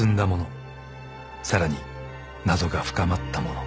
さらに謎が深まった者］